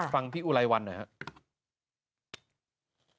ฟังพี่อุลายวันหน่อยข้าว